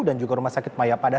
dan juga rumah sakit mayapada